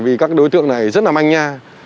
vì các đối tượng này rất là manh nha